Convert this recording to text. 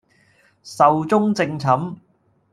壽終正寢